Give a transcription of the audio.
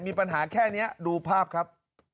มีปัญหาแค่นี้ดูภาพครับ